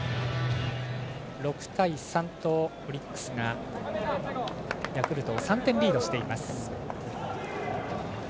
６対３とオリックスがヤクルトを３点リードしています。